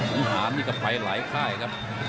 อุณหารก็ไปหลายภายครับ